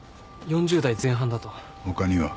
他には。